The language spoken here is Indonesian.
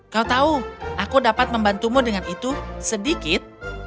kau tahu aku dapat membantumu dengan itu sedikit